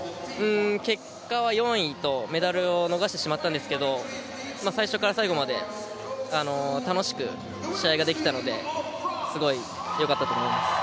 結果は４位とメダルを逃してしまったんですが最初から最後まで楽しく試合ができたのですごい良かったと思います。